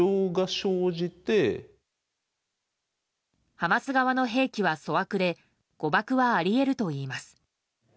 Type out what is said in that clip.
ハマス側の兵器は粗悪で誤爆はあり得るといいます。